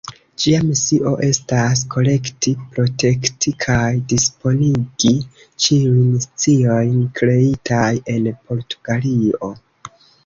Ĝia misio estas kolekti, protekti kaj disponigi ĉiujn sciojn kreitaj en Portugalio.